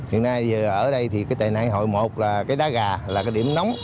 hiện nay ở đây tài nạn hội một là đá gà là điểm nóng